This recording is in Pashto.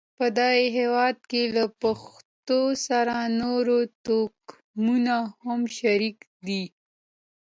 په دغه هېواد کې له پښتنو سره نور توکمونه هم شریک دي.